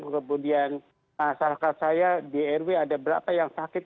kemudian masyarakat saya di rw ada berapa yang sakit